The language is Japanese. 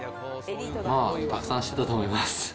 たくさんしてたと思います。